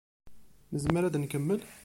Nezmer ad nkemmel?